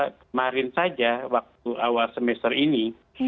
kemarin saja waktu awal semester ini